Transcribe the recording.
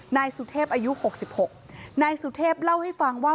นายสุเทพอายุ๖๖นายสุเทพเล่าให้ฟังว่า